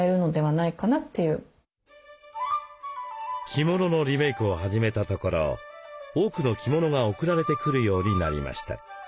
着物のリメイクを始めたところ多くの着物が送られてくるようになりました。